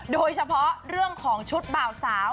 โดยเฉพาะเรื่องของชุดบ่าวสาว